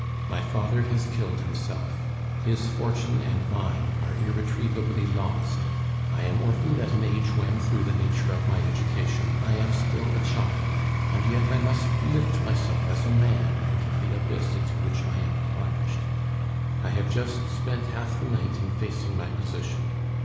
My father has killed himself; his fortune and mine are irretrievably lost. I am orphaned at an age when, through the nature of my education, I am still a child; and yet I must lift myself as a man out of the abyss into which I am plunged. I have just spent half the night in facing my position.